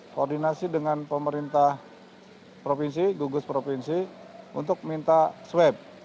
koordinasi dengan pemerintah provinsi gugus provinsi untuk minta swab